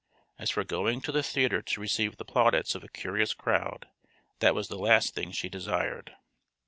As for going to the theatre to receive the plaudits of a curious crowd, that was the last thing she desired.